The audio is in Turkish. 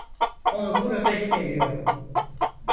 Onu burada istemiyorum.